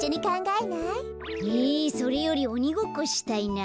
えそれよりおにごっこしたいな。